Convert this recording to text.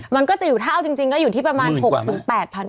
มันก็จะอยู่เท่าจริงก็อยู่ที่ประมาณ๖๐๐๐ถึง๘๐๐๐